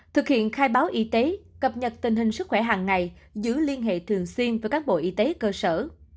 thực hiện khai báo y tế cập nhật tình hình sức khỏe hàng ngày giữ liên hệ thường xuyên với các bộ y tế cơ sở